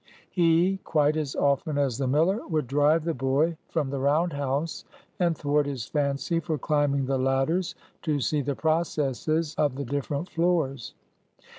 He, quite as often as the miller, would drive the boy from the round house, and thwart his fancy for climbing the ladders to see the processes of the different floors.